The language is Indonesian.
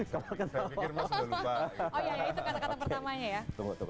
kalau ketawa kalau mencoba adalah menganggap